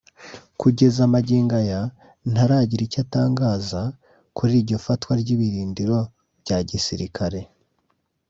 kugeza magingo aya ntaragira icyo atangaza kuri iryo fatwa ry’ibirindiro bya gisirikare